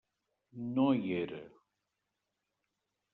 No hi era.